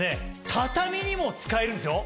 畳にも使えるんですよ。